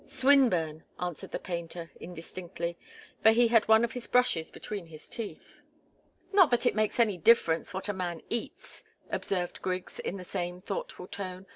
"Swinburne," answered the painter, indistinctly, for he had one of his brushes between his teeth. "Not that it makes any difference what a man eats," observed Griggs in the same thoughtful tone.